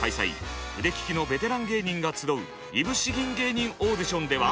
腕利きのベテラン芸人が集ういぶし銀芸人オーディションでは。